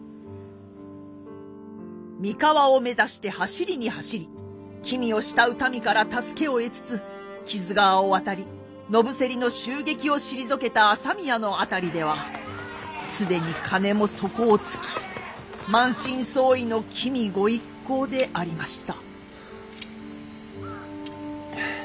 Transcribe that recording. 三河を目指して走りに走り君を慕う民から助けを得つつ木津川を渡り野伏せりの襲撃を退けた朝宮の辺りでは既に金も底をつき満身創痍の君御一行でありました。